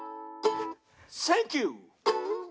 「センキュー！」